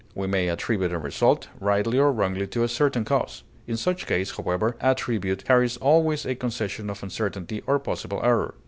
We may attribute a result, rightly or wrongly, to a certain cause; in such case, however, attribute carries always a concession of uncertainty or possible error.